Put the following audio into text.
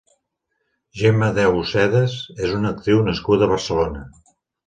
Gemma Deusedas és una actriu nascuda a Barcelona.